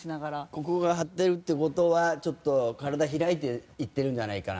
ここが張ってるって事はちょっと体開いていってるんじゃないかな。